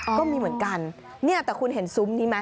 ก็มีเหมือนกันเนี่ยแต่คุณเห็นซุ้มนี้ไหม